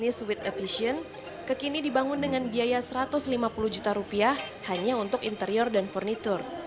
bisnis with efficient kekini dibangun dengan biaya satu ratus lima puluh juta rupiah hanya untuk interior dan furniture